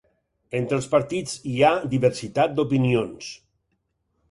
Entre els partits hi ha diversitat d’opinions.